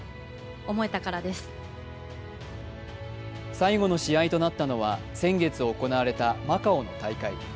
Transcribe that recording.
最後の試合となったのは先月行われたマカオの大会。